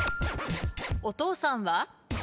お父さんは？